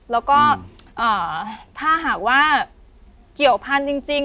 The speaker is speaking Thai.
แล้วก็ถ้าหากว่าเกี่ยวพันธุ์จริง